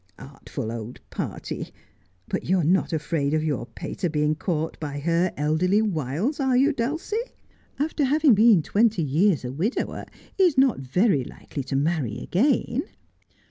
Artful old party ! But you are not afraid of your pater being caught by her elderly wiles, are you, Dulcie i The Yellow Ribbon. 97 After having been twenty years a widower he is not very likely to marry again.'